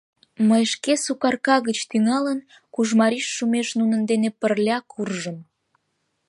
Мый шке Сукарка гыч тӱҥалын Кужмариш шумеш нунын дене пырля куржым.